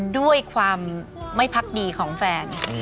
ด้วยความไม่พักดีของแฟน